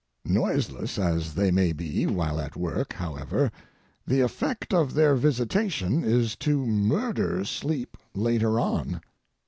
Noiseless as they may be while at work, however, the effect of their visitation is to murder sleep later on.